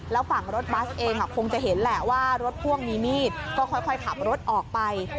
แล้วฝั่งรถบัสเองคงจะเห็นแหละว่ารถพ่วงมีมีดก็ค่อยขับรถออกไป